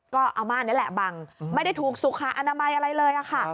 ก็เอาม่านนี่แหละบังไม่ได้ถูกสุขอนามัยอะไรเลยค่ะ